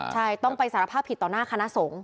ใช่ต้องไปสารภาพผิดต่อหน้าคณะสงฆ์